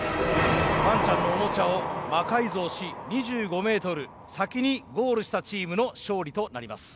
ワンちゃんのオモチャを魔改造し２５メートル先にゴールしたチームの勝利となります。